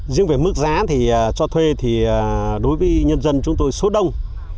riêng về mức giá thì cho thuê thì đối với nhân dân chúng tôi số đông